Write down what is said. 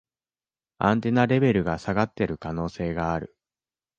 アンテナレベルが下がってる可能性がある